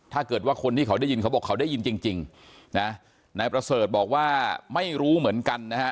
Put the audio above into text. ถ้าเกิดว่าคนที่เขาได้ยินเขาบอกเขาได้ยินจริงนะนายประเสริฐบอกว่าไม่รู้เหมือนกันนะฮะ